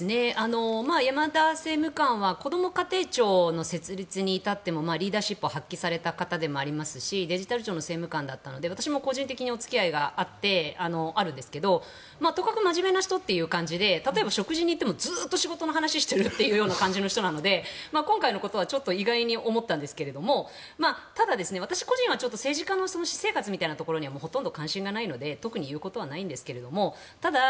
山田政務官はこども家庭庁の設立に至ってもリーダーシップを発揮された方でもありますしデジタル庁の政務官だったので私も個人的にお付き合いがあるんですがとかく真面目な人というイメージで例えば、食事に行ってもずっと仕事の話をしているような感じの人なので今回のことはちょっと意外に思ったんですがただ、私個人は政治家の私生活みたいなところにはほとんど関心がないので特に言うことはないんですがただ、